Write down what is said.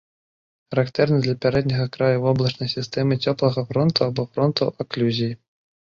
Характэрны для пярэдняга краю воблачнай сістэмы цёплага фронту або фронту аклюзіі.